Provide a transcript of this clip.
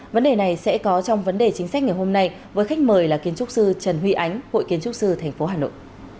vấn đề này sẽ có trong vấn đề chính sách ngày hôm nay với khách mời là kiến trúc sư trần huy ánh hội kiến trúc sư tp hà nội